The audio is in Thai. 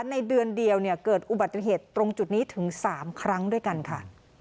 ในเดือนเดียวเกิดอุบัติเหตุตรงจุดนี้ถึง๓ครั้งด้วยกันค่ะ